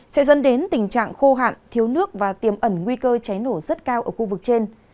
sẽ dẫn đến tình trạng khô hạn thiếu nước và tiềm ẩn nguy cơ cháy nổ rất cao ở khu vực trên